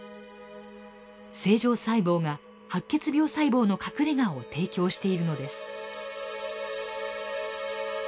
正常細胞が白血病細胞の隠れがを提供しているのです。